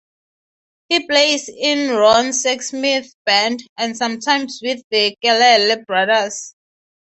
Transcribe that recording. He plays in Ron Sexsmith's band, and sometimes with The Kelele Brothers.